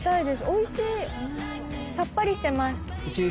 おいしいさっぱりしてます。